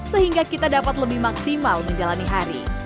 sehingga kita dapat lebih maksimal menjalani hari